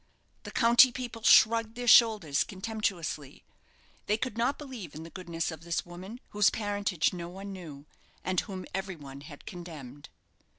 The county people shrugged their shoulders contemptuously. They could not believe in the goodness of this woman, whose parentage no one knew, and whom every one had condemned.